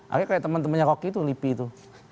akhirnya kayak teman temannya rocky itu lipi itu